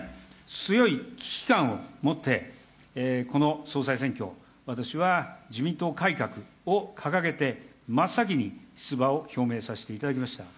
強い危機感を持って、この総裁選挙、私は自民党改革を掲げて、真っ先に出馬を表明させていただきました。